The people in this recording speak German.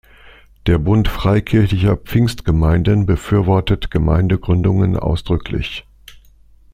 Der Bund Freikirchlicher Pfingstgemeinden befürwortet Gemeindegründungen ausdrücklich.